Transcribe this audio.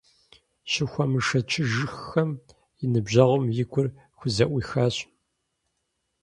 Щыхуэмышэчыжыххэм, и ныбжьэгъум и гур хузэӀуихащ.